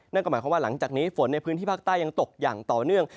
นั่นก็หมายความว่าหลังจากนี้ฝนในพื้นที่ภาคใต้ยังตกอย่างต่อเนื่อง